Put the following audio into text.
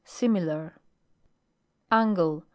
Similar. ANGLE.